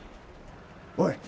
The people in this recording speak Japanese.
おい。